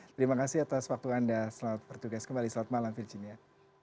terima kasih atas waktu anda selamat bertugas kembali selamat malam virginia